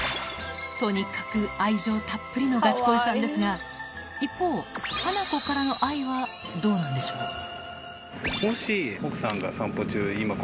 とにかく愛情たっぷりのガチ恋さんですが一方はな子からの愛はどうなんでしょう？